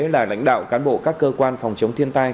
là lãnh đạo cán bộ các cơ quan phòng chống thiên tai